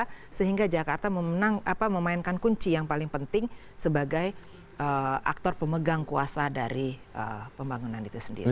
jadi ini juga bisa dikatakan jakarta memainkan kunci yang paling penting sebagai aktor pemegang kuasa dari pembangunan itu sendiri